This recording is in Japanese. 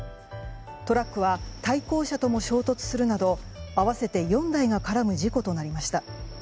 トラックは対向車とも衝突するなど合わせて４台が絡む事故となりました。